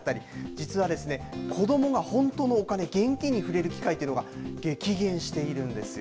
実は、子どもが本当のお金、現金に触れる機会というのが激減しているんですよ。